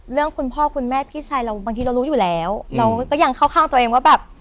คุณพ่อคุณแม่พี่ชายเราบางทีเรารู้อยู่แล้วเราก็ยังเข้าข้างตัวเองว่าแบบ